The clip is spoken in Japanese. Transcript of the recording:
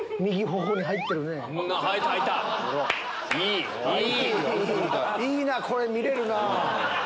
いいなこれ見れるなぁ。